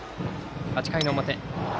８回の表。